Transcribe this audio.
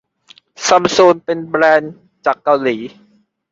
ซัมซุงเป็นแบรนด์จากเกาหลี